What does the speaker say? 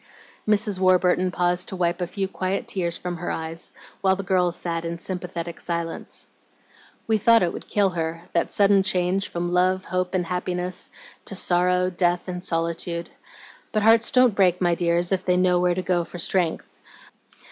Mrs. Warburton paused to wipe a few quiet tears from her eyes, while the girls sat in sympathetic silence. "We thought it would kill her, that sudden change from love, hope, and happiness to sorrow, death, and solitude. But hearts don't break, my dears, if they know where to go for strength.